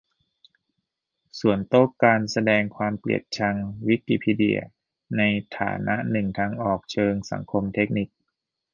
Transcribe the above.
สวนโต้การแสดงความเกลียดชัง : วิกิพีเดียในฐานะหนึ่งทางออกเชิงสังคม-เทคนิค ?